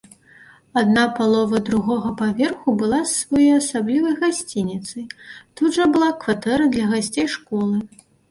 Адна палова другога паверху была своеасаблівай гасцініцай, тут жа была кватэра для гасцей школы.